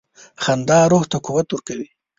• خندا روح ته قوت ورکوي.